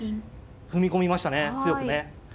踏み込みましたね強くね。